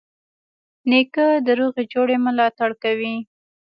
نیکه د روغي جوړې ملاتړ کوي.